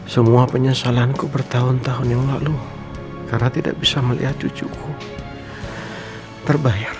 semua penyesalanku bertahun tahun yang lalu karena tidak bisa melihat cucuku terbayar